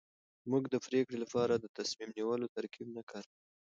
موږ د پرېکړې لپاره د تصميم نيولو ترکيب نه کاروو.